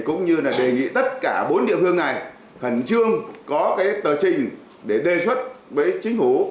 cũng như là đề nghị tất cả bốn địa phương này khẩn trương có cái tờ trình để đề xuất với chính phủ